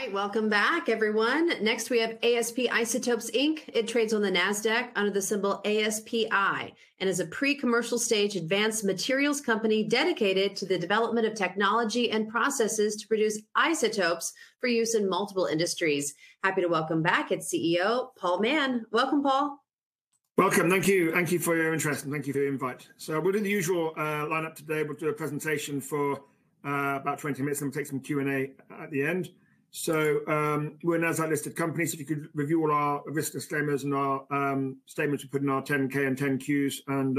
All right, welcome back, everyone. Next, we have ASP Isotopes Inc. It trades on the Nasdaq under the symbol ASPI and is a pre-commercial stage advanced materials company dedicated to the development of technology and processes to produce isotopes for use in multiple industries. Happy to welcome back its CEO, Paul Mann. Welcome, Paul. Welcome. Thank you. Thank you for your interest. Thank you for the invite, so we'll do the usual lineup today. We'll do a presentation for about 20 minutes, and we'll take some Q&A at the end. So we're an ASP-listed company, so if you could review all our risk disclaimers and our statements we put in our 10-K and 10-Qs and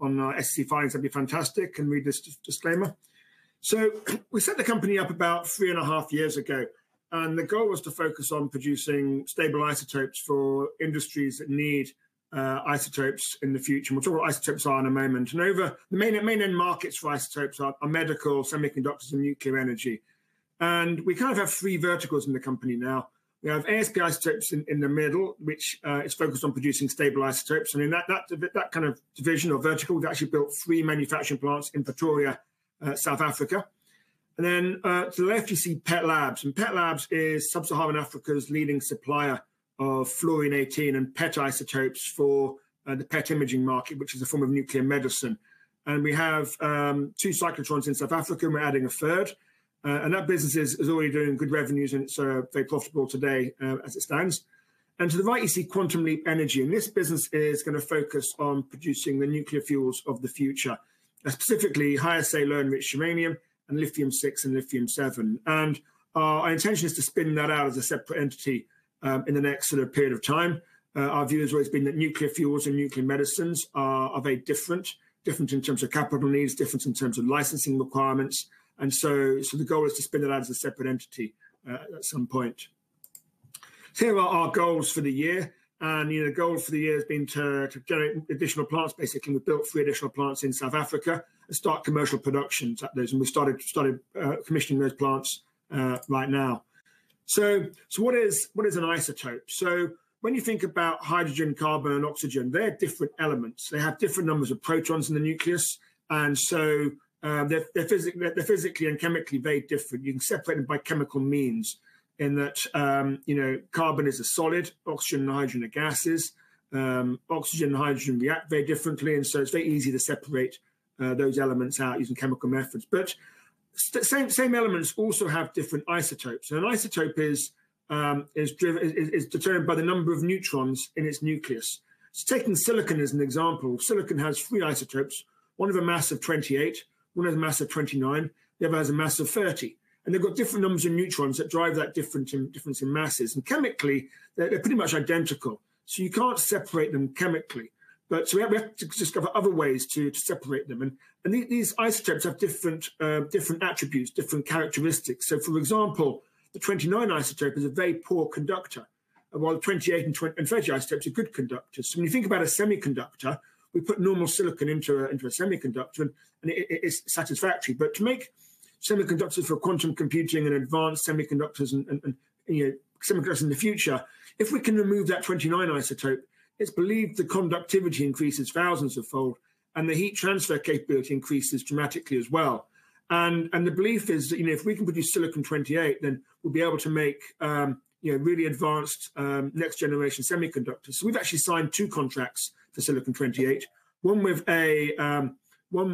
on our SEC filings, that'd be fantastic. You can read this disclaimer. So we set the company up about three and a half years ago, and the goal was to focus on producing stable isotopes for industries that need isotopes in the future. We'll talk about what isotopes are in a moment, and the main end markets for isotopes are medical, semiconductors, and nuclear energy. And we kind of have three verticals in the company now. We have ASP Isotopes in the middle, which is focused on producing stable isotopes. And in that kind of division or vertical, we've actually built three manufacturing plants in Pretoria, South Africa. And then to the left, you see PET Labs. And PET Labs is Sub-Saharan Africa's leading supplier of Fluorine-18 and PET isotopes for the PET imaging market, which is a form of nuclear medicine. And we have two cyclotrons in South Africa, and we're adding a third. And that business is already doing good revenues, and it's very profitable today as it stands. And to the right, you see Quantum Leap Energy. And this business is going to focus on producing the nuclear fuels of the future, specifically HALEU and lithium-6 and lithium-7. And our intention is to spin that out as a separate entity in the next sort of period of time. Our view has always been that nuclear fuels and nuclear medicines are very different, different in terms of capital needs, different in terms of licensing requirements, and so the goal is to spin that out as a separate entity at some point, so here are our goals for the year, and the goal for the year has been to generate additional plants. Basically, we've built three additional plants in South Africa and start commercial productions, and we've started commissioning those plants right now. So what is an isotope? So when you think about hydrogen, carbon, and oxygen, they're different elements. They have different numbers of protons in the nucleus, and so they're physically and chemically very different. You can separate them by chemical means in that carbon is a solid, oxygen and hydrogen are gases. Oxygen and hydrogen react very differently. And so it's very easy to separate those elements out using chemical methods. But same elements also have different isotopes. And an isotope is determined by the number of neutrons in its nucleus. So taking silicon as an example, silicon has three isotopes. One has a mass of 28, one has a mass of 29, the other has a mass of 30. And they've got different numbers of neutrons that drive that difference in masses. And chemically, they're pretty much identical. So you can't separate them chemically. But we have to discover other ways to separate them. And these isotopes have different attributes, different characteristics. So for example, the 29 isotope is a very poor conductor, while the 28 and 30 isotopes are good conductors. So when you think about a semiconductor, we put normal silicon into a semiconductor, and it's satisfactory. But to make semiconductors for quantum computing and advanced semiconductors and semiconductors in the future, if we can remove that 29 isotope, it's believed the conductivity increases thousands of fold, and the heat transfer capability increases dramatically as well. And the belief is that if we can produce silicon-28, then we'll be able to make really advanced next-generation semiconductors. So we've actually signed two contracts for silicon-28, one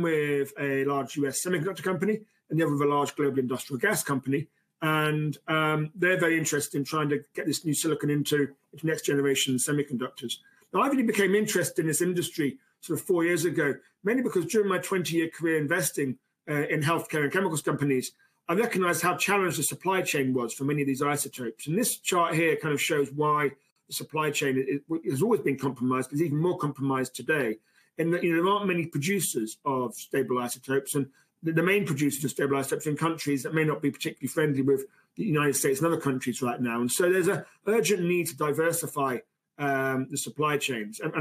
with a large U.S. semiconductor company and the other with a large global industrial gas company. And they're very interested in trying to get this new silicon into next-generation semiconductors. Now, I've only become interested in this industry sort of four years ago, mainly because during my 20-year career investing in healthcare and chemicals companies, I recognized how challenged the supply chain was for many of these isotopes. And this chart here kind of shows why the supply chain has always been compromised, but it's even more compromised today. And there aren't many producers of stable isotopes. And the main producers of stable isotopes are in countries that may not be particularly friendly with the United States and other countries right now. And so there's an urgent need to diversify the supply chains. And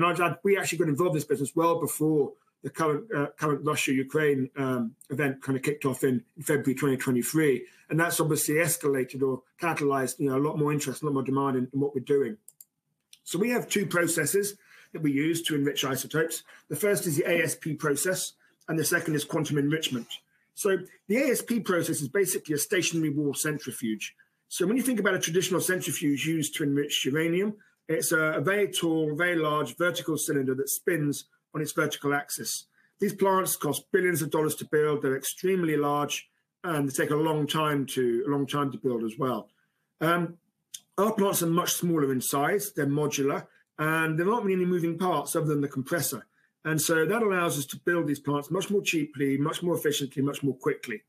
we actually got involved in this business well before the current Russia-Ukraine event kind of kicked off in February 2023. And that's obviously escalated or catalyzed a lot more interest, a lot more demand in what we're doing. So we have two processes that we use to enrich isotopes. The first is the ASP Process, and the second is Quantum Enrichment. So the ASP Process is basically a stationary wall centrifuge. When you think about a traditional centrifuge used to enrich uranium, it's a very tall, very large vertical cylinder that spins on its vertical axis. These plants cost billions of dollars to build. They're extremely large, and they take a long time to build as well. Our plants are much smaller in size. They're modular, and they're not many moving parts other than the compressor. And so that allows us to build these plants much more cheaply, much more efficiently, much more quickly.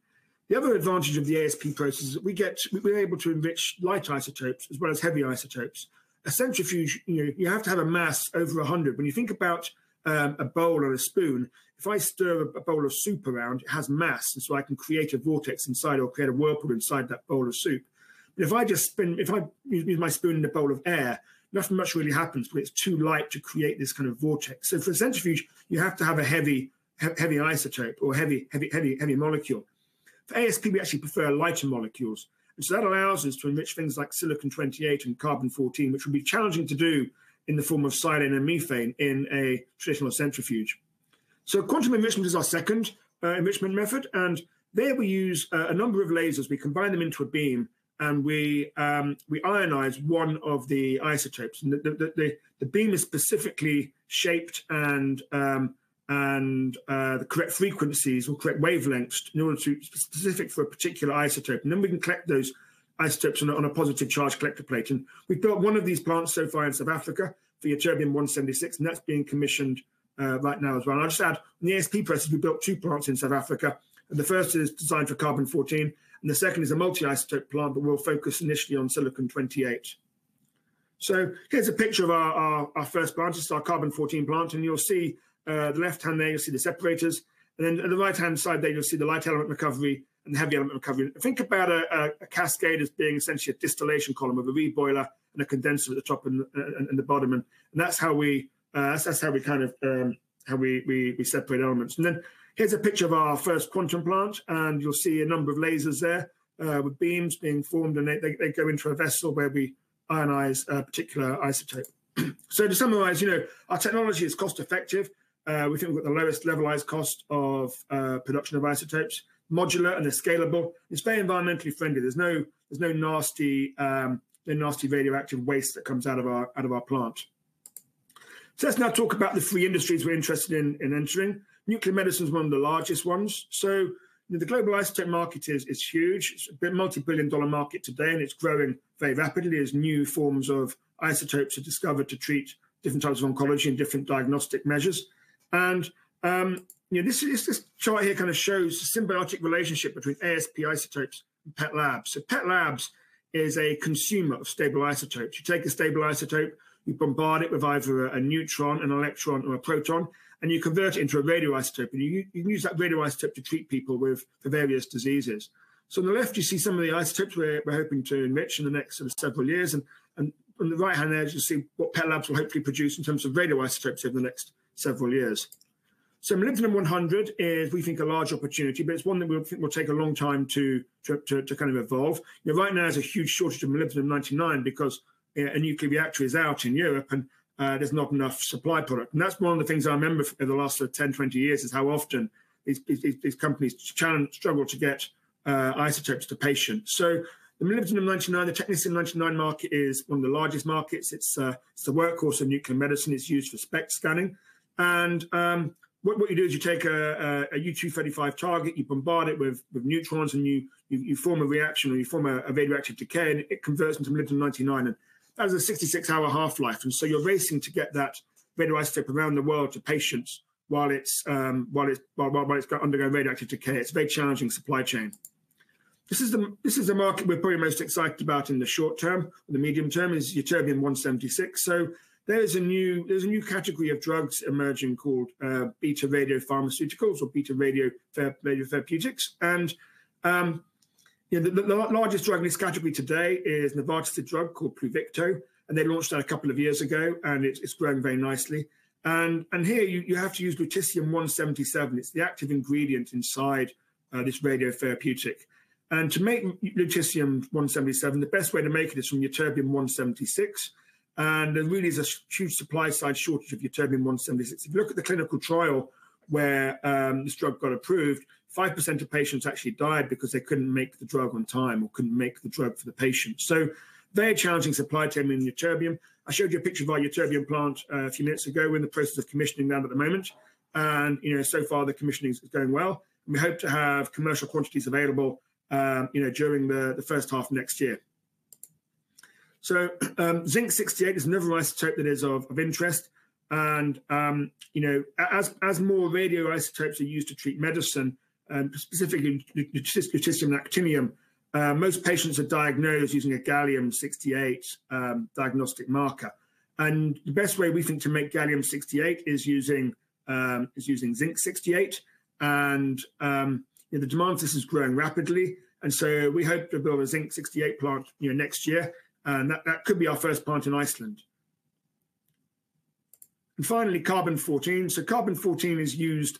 The other advantage of the ASP Process is that we're able to enrich light isotopes as well as heavy isotopes. A centrifuge, you have to have a mass over 100. When you think about a bowl or a spoon, if I stir a bowl of soup around, it has mass. And so I can create a vortex inside or create a whirlpool inside that bowl of soup. But if I just spin, if I use my spoon in a bowl of air, nothing much really happens, but it's too light to create this kind of vortex. So for a centrifuge, you have to have a heavy isotope or heavy molecule. For ASP, we actually prefer lighter molecules. And so that allows us to enrich things like silicon-28 and carbon-14, which would be challenging to do in the form of silane and methane in a traditional centrifuge. So Quantum Enrichment is our second enrichment method. And there we use a number of lasers. We combine them into a beam, and we ionize one of the isotopes. The beam is specifically shaped and the correct frequencies or correct wavelengths in order to be specific for a particular isotope. Then we can collect those isotopes on a positive charge collector plate. We've built one of these plants so far in South Africa for ytterbium-176, and that's being commissioned right now as well. I'll just add, in the ASP Process, we built two plants in South Africa. The first is designed for carbon-14, and the second is a multi-isotope plant, but we'll focus initially on silicon-28. Here's a picture of our first plant, just our carbon-14 plant. You'll see the left hand there, you'll see the separators. Then on the right hand side there, you'll see the light element recovery and the heavy element recovery. Think about a cascade as being essentially a distillation column with a reboiler and a condenser at the top and the bottom. That's how we kind of separate elements. Then here's a picture of our first quantum plant. You'll see a number of lasers there with beams being formed. They go into a vessel where we ionize a particular isotope. To summarize, our technology is cost-effective. We think we've got the lowest levelized cost of production of isotopes, modular and scalable. It's very environmentally friendly. There's no nasty radioactive waste that comes out of our plant. Let's now talk about the three industries we're interested in entering. Nuclear medicine is one of the largest ones. The global isotope market is huge. It's a multi-billion-dollar market today, and it's growing very rapidly as new forms of isotopes are discovered to treat different types of oncology and different diagnostic measures. This chart here kind of shows the symbiotic relationship between ASP Isotopes and PET Labs. PET Labs is a consumer of stable isotopes. You take a stable isotope, you bombard it with either a neutron, an electron, or a proton, and you convert it into a radioisotope. You can use that radioisotope to treat people with various diseases. On the left, you see some of the isotopes we're hoping to enrich in the next sort of several years. On the right hand there, you'll see what PET Labs will hopefully produce in terms of radioisotopes over the next several years. Molybdenum-100 is, we think, a large opportunity, but it's one that will take a long time to kind of evolve. Right now, there's a huge shortage of molybdenum-99 because a nuclear reactor is out in Europe, and there's not enough supply product. That's one of the things I remember from the last sort of 10, 20 years is how often these companies struggle to get isotopes to patients. The molybdenum-99, the technetium-99 market is one of the largest markets. It's the workhorse of nuclear medicine. It's used for SPECT scanning. What you do is you take a U-235 target, you bombard it with neutrons, and you form a reaction or a radioactive decay, and it converts into molybdenum-99. That has a 66-hour half-life. You're racing to get that radioisotope around the world to patients while it's undergoing radioactive decay. It's a very challenging supply chain. This is a market we're probably most excited about in the short term. The medium term is ytterbium-176. There's a new category of drugs emerging called beta radiopharmaceuticals or beta radiotherapeutics. And the largest drug in this category today is an advanced drug called Pluvicto. And they launched that a couple of years ago, and it's grown very nicely. And here, you have to use lutetium-177. It's the active ingredient inside this radiotherapeutic. And to make lutetium-177, the best way to make it is from ytterbium-176. And there really is a huge supply side shortage of ytterbium-176. If you look at the clinical trial where this drug got approved, 5% of patients actually died because they couldn't make the drug on time or couldn't make the drug for the patient. So very challenging supply chain in Ytterbium. I showed you a picture of our Ytterbium plant a few minutes ago. We're in the process of commissioning that at the moment. And so far, the commissioning is going well. We hope to have commercial quantities available during the first half of next year. Zinc-68 is another isotope that is of interest. As more radioisotopes are used to treat medicine, specifically lutetium-177, most patients are diagnosed using a gallium-68 diagnostic marker. The best way we think to make gallium-68 is using zinc-68. The demand for this is growing rapidly. We hope to build a Zinc-68 plant next year. That could be our first plant in Iceland. Finally, carbon-14. carbon-14 is used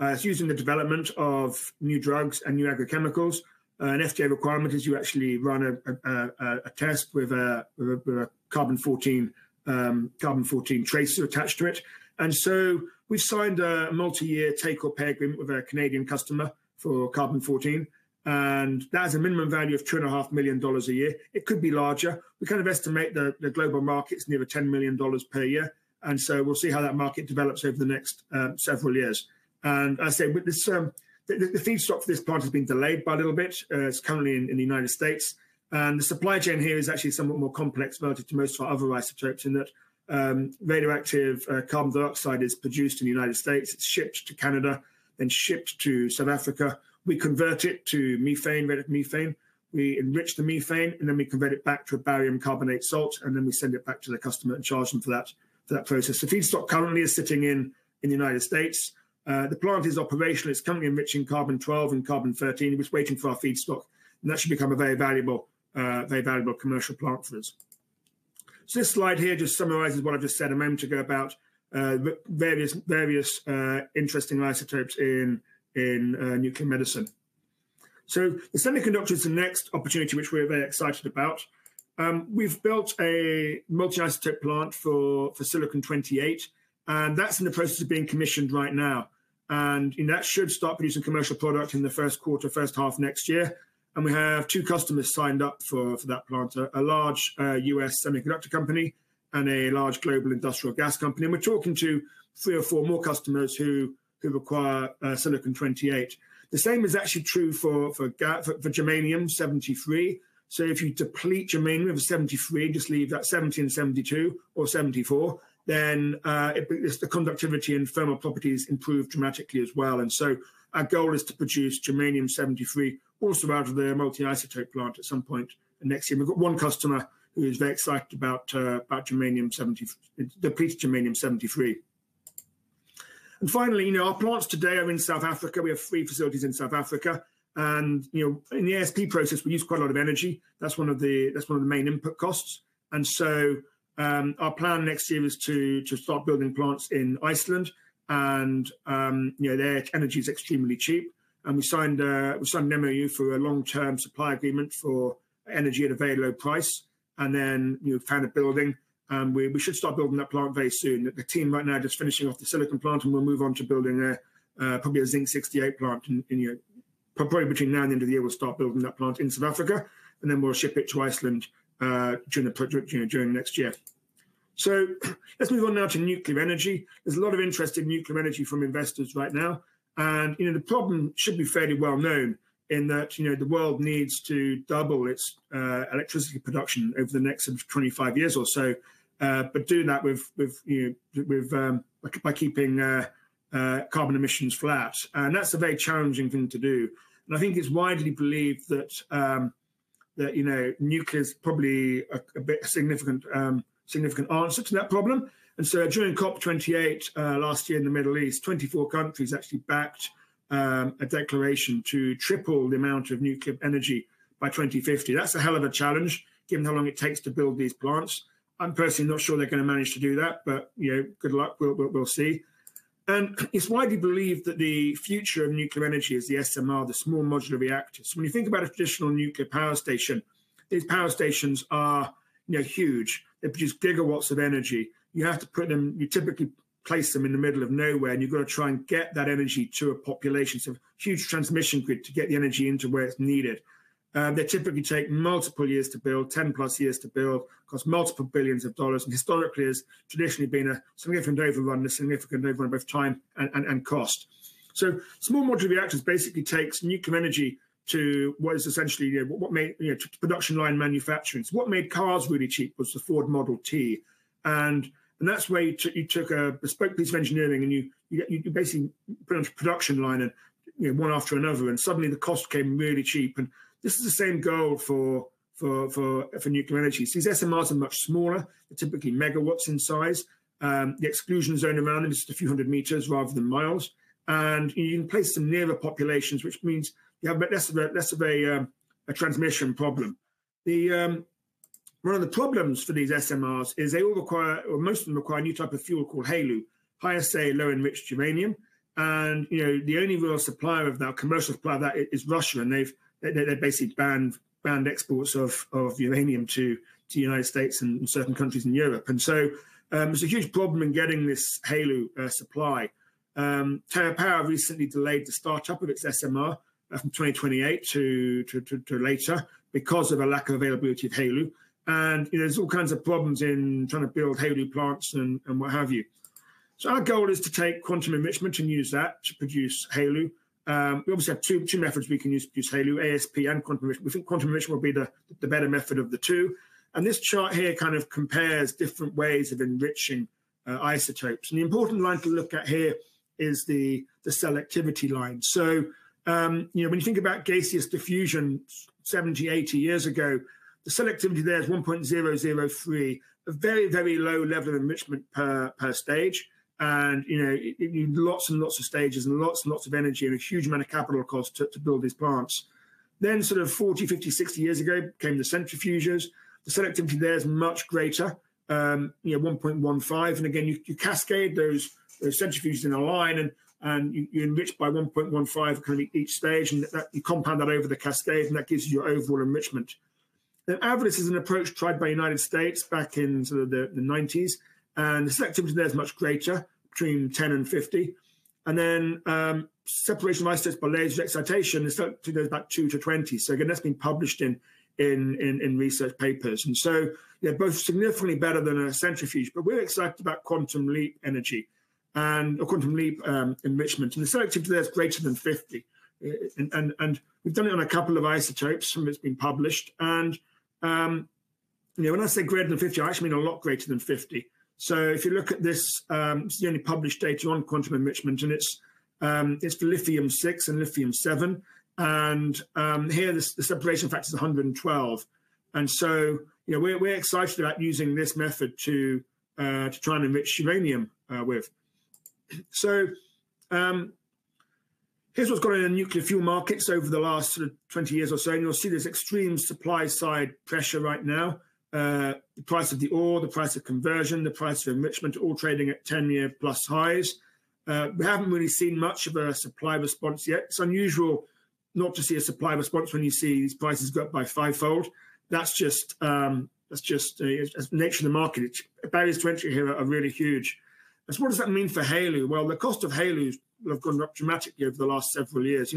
in the development of new drugs and new agrochemicals. An FDA requirement is you actually run a test with a carbon-14 tracer attached to it. We've signed a multi-year take-or-pay agreement with a Canadian customer for carbon-14. That has a minimum value of $2.5 million a year. It could be larger. We kind of estimate the global market's near $10 million per year. And so we'll see how that market develops over the next several years. And I say the feedstock for this plant has been delayed by a little bit. It's currently in the United States. And the supply chain here is actually somewhat more complex relative to most of our other isotopes in that radioactive carbon dioxide is produced in the United States. It's shipped to Canada, then shipped to South Africa. We convert it to methane, radiocarbon methane. We enrich the methane, and then we convert it back to a barium carbonate salt, and then we send it back to the customer and charge them for that process. The feedstock currently is sitting in the United States. The plant is operational. It's currently enriching carbon-12 and carbon-13. We're just waiting for our feedstock. That should become a very valuable commercial plant for us. This slide here just summarizes what I've just said a moment ago about various interesting isotopes in nuclear medicine. The semiconductor is the next opportunity which we're very excited about. We've built a multi-isotope plant for silicon-28. That's in the process of being commissioned right now. That should start producing commercial product in the first quarter, first half next year. We have two customers signed up for that plant: a large U.S. semiconductor company and a large global industrial gas company. We're talking to three or four more customers who require silicon-28. The same is actually true for germanium-73. If you deplete germanium-73, just leave that 70 and 72 or 74, then the conductivity and thermal properties improve dramatically as well. And so our goal is to produce germanium-73 also out of the multi-isotope plant at some point next year. We've got one customer who is very excited about the depleted germanium-73. And finally, our plants today are in South Africa. We have three facilities in South Africa. And in the ASP process, we use quite a lot of energy. That's one of the main input costs. And so our plan next year is to start building plants in Iceland. And their energy is extremely cheap. And we signed an MoU for a long-term supply agreement for energy at a very low price. And then we've found a building. And we should start building that plant very soon. The team right now is just finishing off the silicon plant, and we'll move on to building probably a zinc-68 plant. Probably between now and the end of the year, we'll start building that plant in South Africa. And then we'll ship it to Iceland during next year. So let's move on now to nuclear energy. There's a lot of interest in nuclear energy from investors right now. And the problem should be fairly well known in that the world needs to double its electricity production over the next sort of 25 years or so. But doing that by keeping carbon emissions flat. And that's a very challenging thing to do. And I think it's widely believed that nuclear is probably a significant answer to that problem. And so during COP28 last year in the Middle East, 24 countries actually backed a declaration to triple the amount of nuclear energy by 2050. That's a hell of a challenge given how long it takes to build these plants. I'm personally not sure they're going to manage to do that, but good luck. We'll see. And it's widely believed that the future of nuclear energy is the SMR, the small modular reactors. When you think about a traditional nuclear power station, these power stations are huge. They produce gigawatts of energy. You have to put them. You typically place them in the middle of nowhere, and you've got to try and get that energy to a population. So huge transmission grid to get the energy into where it's needed. They typically take multiple years to build, 10 plus years to build, cost multiple billions of dollars. And historically, it's traditionally been a significant overrun, a significant overrun of time and cost. So small modular reactors basically take nuclear energy to what is essentially a production line manufacturing. So what made cars really cheap was the Ford Model T. That's where you took a bespoke piece of engineering, and you basically put it on a production line one after another. Suddenly, the cost came really cheap. This is the same goal for nuclear energy. These SMRs are much smaller. They're typically megawatts in size. The exclusion zone around them is just a few hundred meters rather than miles. You can place them near the populations, which means you have less of a transmission problem. One of the problems for these SMRs is they all require, or most of them require, a new type of fuel called HALEU, high-assay low-enriched uranium. The only real supplier of that, commercial supplier of that, is Russia. They basically banned exports of uranium to the United States and certain countries in Europe. There's a huge problem in getting this HALEU supply. TerraPower recently delayed the startup of its SMR from 2028 to later because of a lack of availability of HALEU. There's all kinds of problems in trying to build HALEU plants and what have you. Our goal is to take quantum enrichment and use that to produce HALEU. We obviously have two methods we can use to produce HALEU, ASP and quantum enrichment. We think quantum enrichment will be the better method of the two. This chart here kind of compares different ways of enriching isotopes. The important line to look at here is the selectivity line. When you think about gaseous diffusion 70, 80 years ago, the selectivity there is 1.003, a very, very low level of enrichment per stage. You need lots and lots of stages and lots and lots of energy and a huge amount of capital cost to build these plants. Sort of 40, 50, 60 years ago came the centrifuges. The selectivity there is much greater, 1.15. Again, you cascade those centrifuges in a line, and you enrich by 1.15 kind of each stage. You compound that over the cascade, and that gives you your overall enrichment. AVLIS is an approach tried by the United States back in sort of the 1990s. The selectivity there is much greater, between 10 and 50. Then separation of isotopes by laser excitation is going back to 2 to 20. Again, that's been published in research papers. They're both significantly better than a centrifuge. We're excited about Quantum Leap Energy or Quantum Enrichment. And the selectivity there is greater than 50. And we've done it on a couple of isotopes. Some of it's been published. And when I say greater than 50, I actually mean a lot greater than 50. So if you look at this, this is the only published data on Quantum Enrichment. And it's for lithium-6 and lithium-7. And here, the separation factor is 112. And so we're excited about using this method to try and enrich uranium with. So here's what's gone on in the nuclear fuel markets over the last sort of 20 years or so. And you'll see there's extreme supply-side pressure right now. The price of the ore, the price of conversion, the price of enrichment, all trading at 10-year-plus highs. We haven't really seen much of a supply response yet. It's unusual not to see a supply response when you see these prices go up by fivefold. That's just the nature of the market. Barriers to entry here are really huge, so what does that mean for HALEU? Well, the cost of HALEU will have gone up dramatically over the last several years.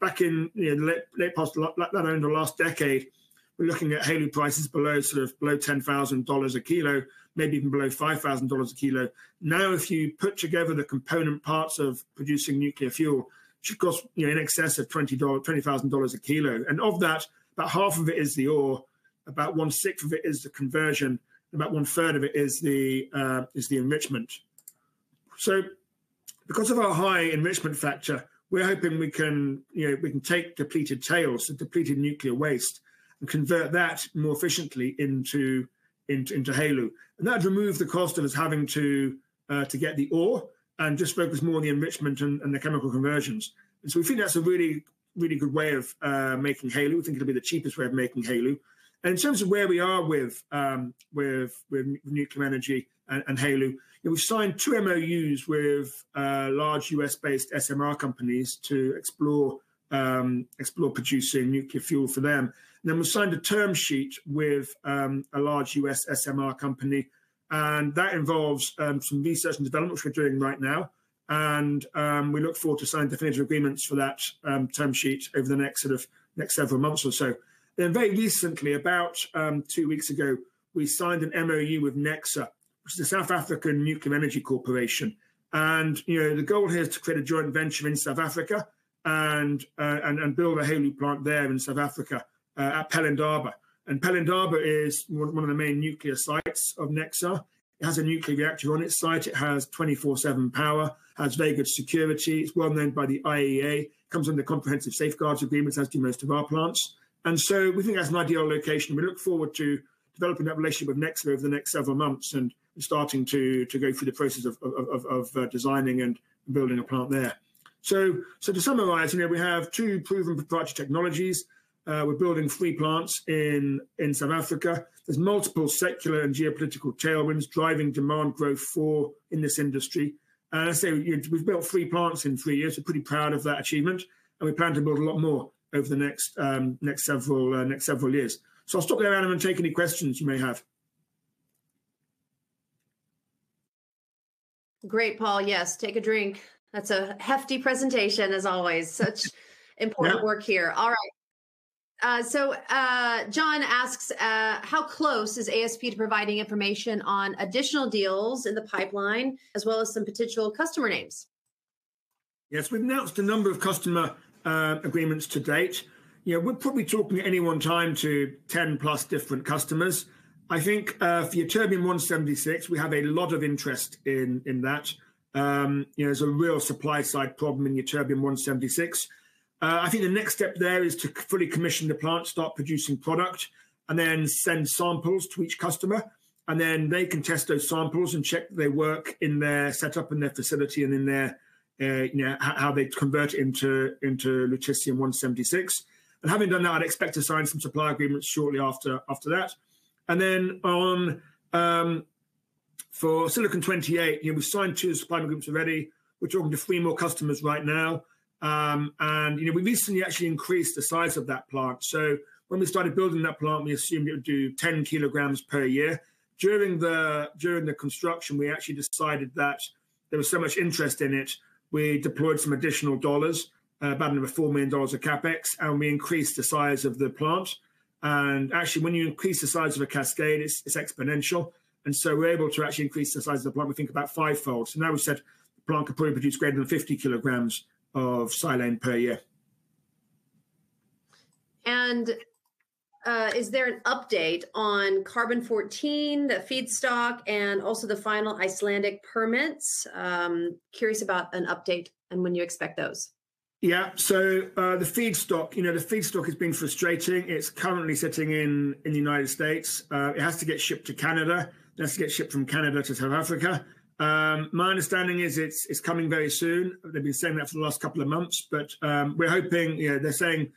Back in the late past, like that end of last decade, we're looking at HALEU prices below sort of $10,000 a kilo, maybe even below $5,000 a kilo. Now, if you put together the component parts of producing nuclear fuel, it should cost in excess of $20,000 a kilo, and of that, about half of it is the ore. About one-sixth of it is the conversion. About one-third of it is the enrichment. Because of our high enrichment factor, we're hoping we can take depleted tails, so depleted nuclear waste, and convert that more efficiently into HALEU. That would remove the cost of us having to get the ore and just focus more on the enrichment and the chemical conversions. We think that's a really, really good way of making HALEU. We think it'll be the cheapest way of making HALEU. In terms of where we are with nuclear energy and HALEU, we've signed two MoUs with large U.S.-based SMR companies to explore producing nuclear fuel for them. We've signed a term sheet with a large U.S. SMR company. That involves some research and development, which we're doing right now. We look forward to signing definitive agreements for that term sheet over the next sort of several months or so. Then very recently, about two weeks ago, we signed an MoU with Necsa, which is the South African Nuclear Energy Corporation. And the goal here is to create a joint venture in South Africa and build a HALEU plant there in South Africa at Pelindaba. And Pelindaba is one of the main nuclear sites of Necsa. It has a nuclear reactor on its site. It has 24/7 power, has very good security. It's well known by the IAEA. It comes under comprehensive safeguards agreements, as do most of our plants. And so we think that's an ideal location. We look forward to developing that relationship with Necsa over the next several months and starting to go through the process of designing and building a plant there. So to summarize, we have two proven proprietary technologies. We're building three plants in South Africa. There's multiple secular and geopolitical tailwinds driving demand growth for in this industry, and I say we've built three plants in three years. We're pretty proud of that achievement, and we plan to build a lot more over the next several years, so I'll stop there and I'm going to take any questions you may have. Great, Paul. Yes, take a drink. That's a hefty presentation, as always. Such important work here. All right, so John asks, how close is ASP to providing information on additional deals in the pipeline, as well as some potential customer names? Yes, we've announced a number of customer agreements to date. We're probably talking at any one time to 10+ different customers. I think for ytterbium-176, we have a lot of interest in that. There's a real supply side problem in ytterbium-176. I think the next step there is to fully commission the plant, start producing product, and then send samples to each customer. And then they can test those samples and check that they work in their setup, in their facility, and in how they convert it into lutetium-177. And having done that, I'd expect to sign some supply agreements shortly after that. And then for silicon-28, we've signed two supply agreements already. We're talking to three more customers right now. And we recently actually increased the size of that plant. So when we started building that plant, we assumed it would do 10 kg per year. During the construction, we actually decided that there was so much interest in it, we deployed some additional dollars, about $4 million of CapEx. And we increased the size of the plant. And actually, when you increase the size of a cascade, it's exponential. And so we're able to actually increase the size of the plant. We think about fivefold. So now we said the plant could probably produce greater than 50 kg of silane per year. Is there an update on carbon-14, the feedstock, and also the final Icelandic permits? Curious about an update and when you expect those. Yeah, so the feedstock, the feedstock has been frustrating. It's currently sitting in the United States. It has to get shipped to Canada. It has to get shipped from Canada to South Africa. My understanding is it's coming very soon. They've been saying that for the last couple of months, but we're hoping they're saying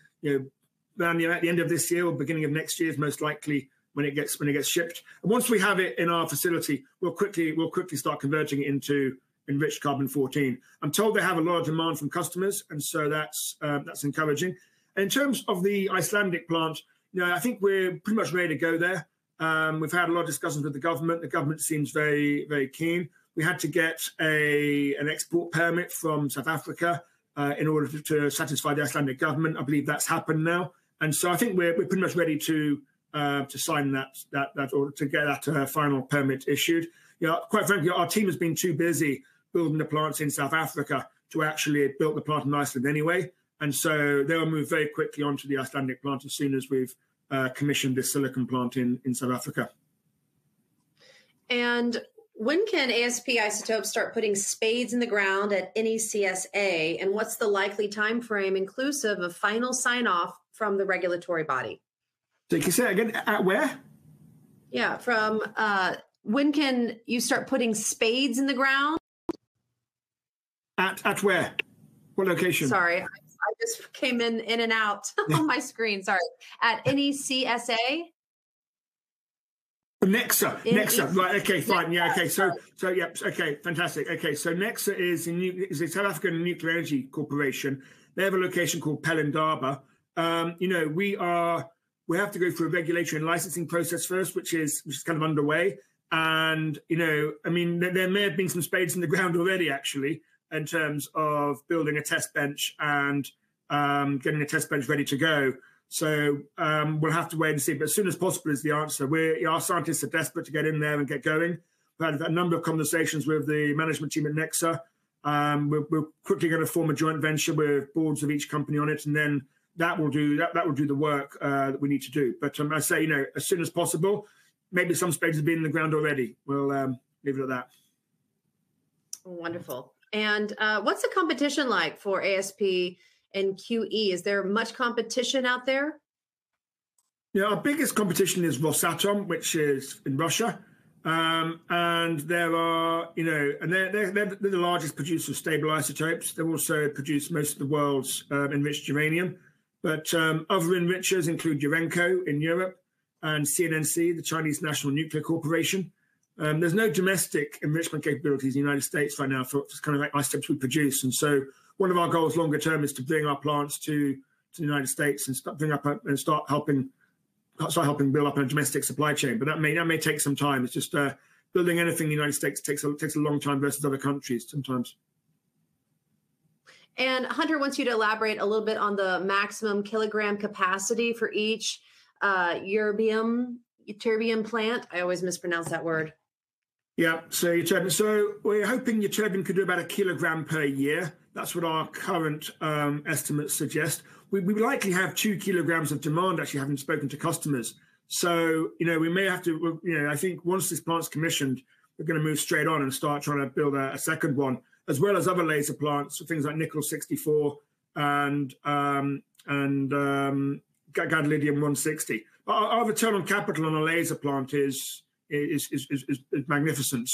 around the end of this year or beginning of next year is most likely when it gets shipped, and once we have it in our facility, we'll quickly start converting it into enriched carbon-14. I'm told they have a lot of demand from customers, and so that's encouraging. In terms of the Icelandic plant, I think we're pretty much ready to go there. We've had a lot of discussions with the government. The government seems very keen. We had to get an export permit from South Africa in order to satisfy the Icelandic government. I believe that's happened now, and so I think we're pretty much ready to sign that order to get that final permit issued. Quite frankly, our team has been too busy building the plants in South Africa to actually have built the plant in Iceland anyway, and so they'll move very quickly on to the Icelandic plant as soon as we've commissioned this silicon plant in South Africa. When can ASP Isotopes start putting spades in the ground at Necsa? What's the likely time frame inclusive of final sign-off from the regulatory body? Did you say again? At where? Yeah. From when can you start putting spades in the ground? At where? What location? Sorry. I just came in and out on my screen. Sorry. At Necsa? Necsa. Necsa. Right. Okay. Fine. Yeah. Okay. So yep. Okay. Fantastic. Okay. Necsa is a South African nuclear energy corporation. They have a location called Pelindaba. We have to go through a regulatory and licensing process first, which is kind of underway, and I mean, there may have been some spades in the ground already, actually, in terms of building a test bench and getting a test bench ready to go, so we'll have to wait and see, but as soon as possible is the answer. Our scientists are desperate to get in there and get going. We've had a number of conversations with the management team at Necsa. We're quickly going to form a joint venture with boards of each company on it, and then that will do the work that we need to do. But as I say, as soon as possible, maybe some spades have been in the ground already. We'll leave it at that. Wonderful. And what's the competition like for ASP and QE? Is there much competition out there? Yeah. Our biggest competition is Rosatom, which is in Russia, and they're the largest producer of stable isotopes. They also produce most of the world's enriched uranium, but other enrichers include Urenco in Europe and CNNC, the Chinese National Nuclear Corporation. There's no domestic enrichment capabilities in the United States right now for kind of the isotopes we produce, and so one of our goals longer term is to bring our plants to the United States and start helping build up a domestic supply chain, but that may take some time. It's just building anything in the United States takes a long time versus other countries sometimes. Hunter wants you to elaborate a little bit on the maximum kilogram capacity for each ytterbium plant. I always mispronounce that word. Yeah. So we're hoping ytterbium could do about a kilogram per year. That's what our current estimates suggest. We likely have two kilograms of demand, actually, having spoken to customers. So we may have to, I think, once this plant's commissioned, we're going to move straight on and start trying to build a second one, as well as other laser plants, things like Nickel-64 and Gadolinium-160. Our return on capital on a laser plant is magnificent.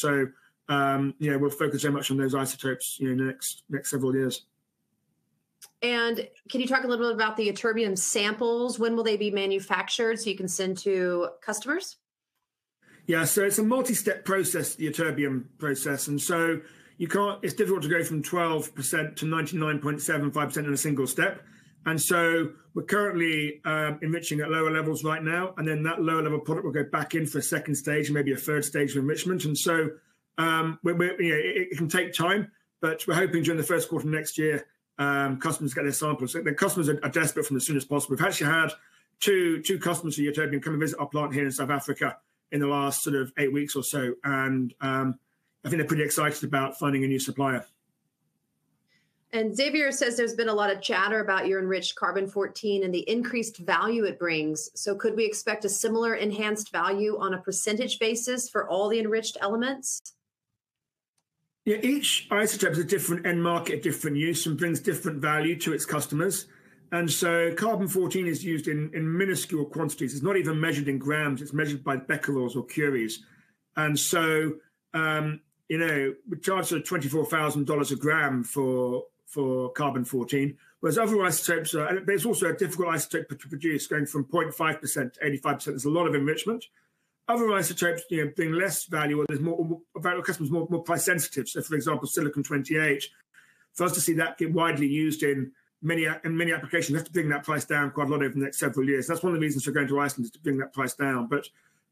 So we'll focus very much on those isotopes in the next several years. Can you talk a little bit about the ytterbium samples? When will they be manufactured so you can send to customers? Yeah. So it's a multi-step process, the turbine process. And so it's difficult to go from 12% to 99.75% in a single step. And so we're currently enriching at lower levels right now. And then that lower-level product will go back in for a second stage, maybe a third stage of enrichment. And so it can take time. But we're hoping during the first quarter of next year, customers get their samples. The customers are desperate for them as soon as possible. We've actually had two customers of Ytterbium come and visit our plant here in South Africa in the last sort of eight weeks or so. And I think they're pretty excited about finding a new supplier. Xavier says there's been a lot of chatter about your enriched carbon-14 and the increased value it brings. Could we expect a similar enhanced value on a percentage basis for all the enriched elements? Yeah. Each isotope is a different end market, different use, and brings different value to its customers. And so carbon-14 is used in minuscule quantities. It's not even measured in grams. It's measured by becquerels or curies. And so we charge sort of $24,000 a gram for carbon-14. Whereas other isotopes, there's also a difficult isotope to produce going from 0.5%-85%. There's a lot of enrichment. Other isotopes bring less value, or there's more value. Customers are more price-sensitive. So for example, silicon-28. For us to see that get widely used in many applications, we have to bring that price down quite a lot over the next several years. That's one of the reasons for going to Iceland is to bring that price down. But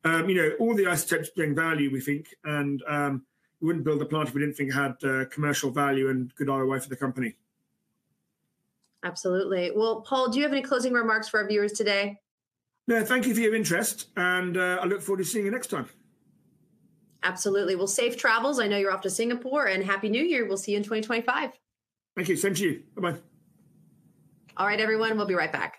all the isotopes bring value, we think. We wouldn't build a plant if we didn't think it had commercial value and good ROI for the company. Absolutely. Well, Paul, do you have any closing remarks for our viewers today? No. Thank you for your interest. I look forward to seeing you next time. Absolutely. Well, safe travels. I know you're off to Singapore. And happy New Year. We'll see you in 2025. Thank you. Same to you. Bye-bye. All right, everyone. We'll be right back.